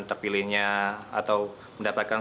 terpilihnya atau mendapatkan